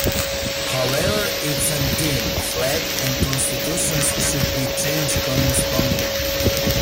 However, its anthem, flag and constitutions should be changed correspondingly.